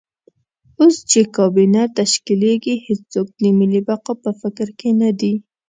اوس چې کابینه تشکیلېږي هېڅوک د ملي بقا په فکر کې نه دي.